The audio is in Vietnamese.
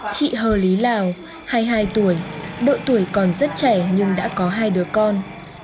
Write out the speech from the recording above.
chị hờ lý lào hai mươi hai tuổi độ tuổi còn rất trẻ nhưng đã có hai đứa con